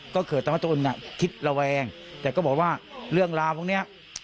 ก็เกิดทำให้ตนคิดระแวงแต่ก็บอกว่าเรื่องราวพวกนี้